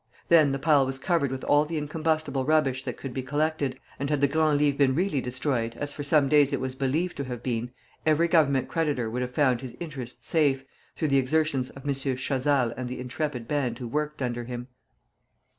Then the pile was covered with all the incombustible rubbish that could be collected; and had the Grand Livre been really destroyed, as for some days it was believed to have been, every Government creditor would have found his interests safe, through the exertions of M. Chazal and the intrepid band who worked under him.